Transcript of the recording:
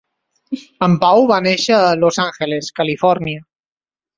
En Pau va néixer a Los Angeles, Califòrnia.